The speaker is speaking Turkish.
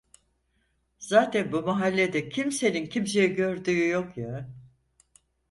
Zaten bu mahallede kimsenin kimseyi gördüğü yok ya!